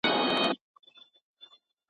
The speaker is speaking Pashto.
د الله تعالی نومونه دي.